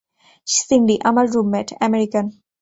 সিন্ডি, আমার roommate, American.